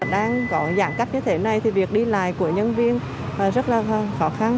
đang có giãn cách như thế này thì việc đi lại của nhân viên rất là khó khăn